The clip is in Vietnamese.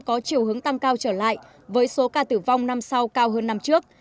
có chiều hướng tăng cao trở lại với số ca tử vong năm sau cao hơn năm trước